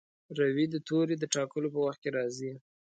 روي د توري د ټاکلو په وخت کې.